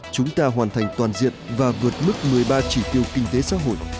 chúng ta hoàn thành toàn diện và vượt mức một mươi ba chỉ tiêu kinh tế xã hội